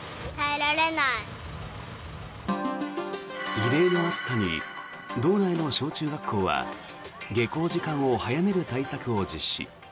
異例の暑さに道内の小中学校は下校時間を早める対策を実施。